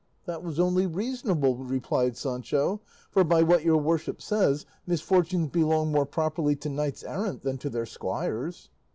"That was only reasonable," replied Sancho, "for, by what your worship says, misfortunes belong more properly to knights errant than to their squires."